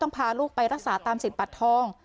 พาลูกไปรักษาตามสิทธิบัตรทอง